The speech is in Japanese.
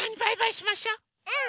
うん！